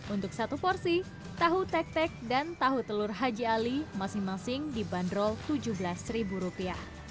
untuk satu porsi tahu tek tek dan tahu telur haji ali masing masing dibanderol rp tujuh belas